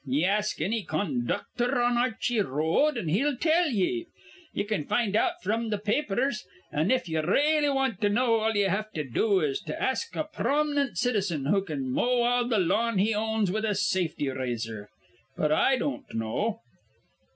Ye ask anny con ducthor on Ar rchy R road, an' he'll tell ye. Ye can find out fr'm the papers; an', if ye really want to know, all ye have to do is to ask a prom'nent citizen who can mow all th' lawn he owns with a safety razor. But I don't know."